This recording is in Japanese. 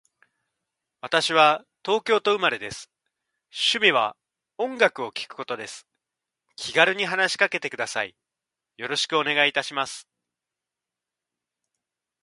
私は東京都生まれです。趣味は音楽を聴くことです。気軽に話しかけてください。よろしくお願いいたします。